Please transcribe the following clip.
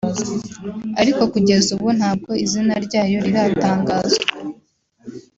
ariko kugeza ubu ntabwo izina ryayo riratangazwa